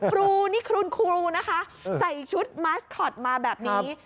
ครูนี่คุณครูนะคะใส่ชุดมัสคอตมาแบบนี้